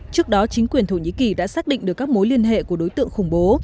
trước đó chính quyền thổ nhĩ kỳ đã xác định được các mối liên hệ của đối tượng khủng bố